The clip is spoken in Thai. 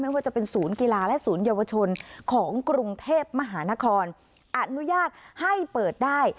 ว่าจะเป็นศูนย์กีฬาและศูนยวชนของกรุงเทพมหานครอนุญาตให้เปิดได้